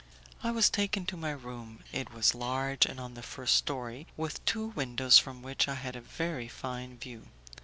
I was taken to my room; it was large and on the first story, with two windows from which I had a very fine view.